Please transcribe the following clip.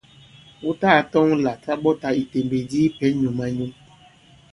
Wu tagā tɔŋ là sa ɓɔtā ìtèmbèk di i pɛ̄n nyǔm-a-nyum.